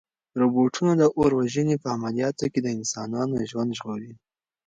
روبوټونه د اور وژنې په عملیاتو کې د انسانانو ژوند ژغوري.